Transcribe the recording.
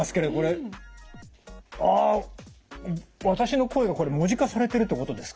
あ私の声がこれ文字化されてるってことですか？